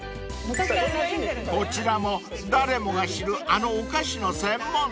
［こちらも誰もが知るあのお菓子の専門店］